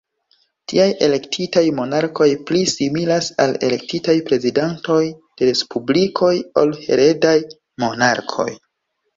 Tiaj elektitaj monarkoj pli similas al elektitaj prezidantoj de respublikoj ol heredaj monarkoj.